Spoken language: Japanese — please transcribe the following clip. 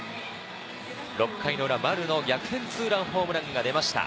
６回の裏、丸の逆転ツーランホームランが出ました。